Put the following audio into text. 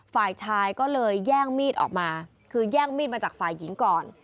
ฝ่ายชายก็เลยแย่งมีดออกมาคือแย่งมีดมาจากฝ่ายหญิงก่อน